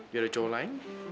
dia ada cowok lain